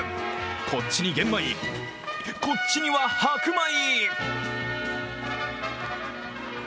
こっちに玄米、こっちには白米。